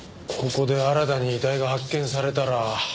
ここで新たに遺体が発見されたら。